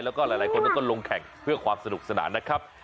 แล้วก็หลายคนก็ลงแข่งเพื่อความสนุกสนานนะครับ